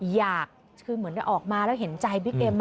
อยากคือเหมือนได้ออกมาแล้วเห็นใจบิ๊กเอ็ม